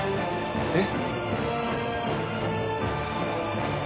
えっ？